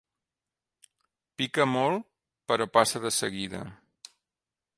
Pica molt, però passa de seguida.